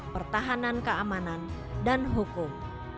pertahanan keamanan dan hukum